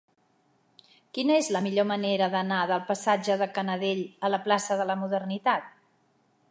Quina és la millor manera d'anar del passatge de Canadell a la plaça de la Modernitat?